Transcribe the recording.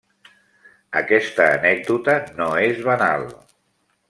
Aquesta anècdota no és banal.